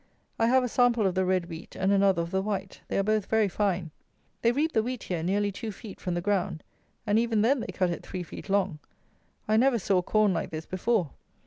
I have a sample of the red wheat and another of the white. They are both very fine. They reap the wheat here nearly two feet from the ground; and even then they cut it three feet long! I never saw corn like this before.